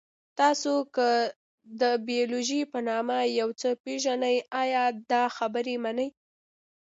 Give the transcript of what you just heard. تاسو که د بیولوژي په نامه یو څه پېژنئ، ایا دا خبره منئ؟